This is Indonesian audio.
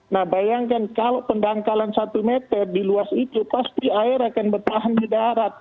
nah bayangkan kalau pendangkalan satu meter di luas itu pasti air akan bertahan di darat